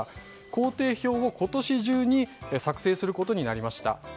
工程表を今年中に作成することになりました。